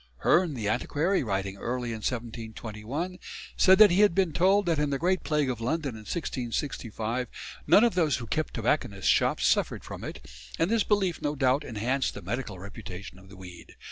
Hearne, the antiquary, writing early in 1721, said that he had been told that in the Great Plague of London of 1665 none of those who kept tobacconists' shops suffered from it, and this belief no doubt enhanced the medical reputation of the weed.